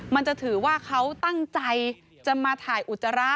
มันจะถือว่าเขาตั้งใจจะมาถ่ายอุจจาระ